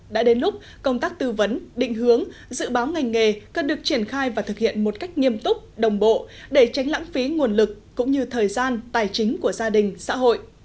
đã đến lúc công tác tư vấn định hướng dự báo ngành nghề cần được triển khai và thực hiện một cách nghiêm túc đồng bộ để tránh lãng phí nguồn lực cũng như thời gian tài chính của gia đình xã hội